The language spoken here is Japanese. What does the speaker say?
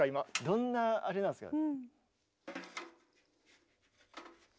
どんなあれなんですか？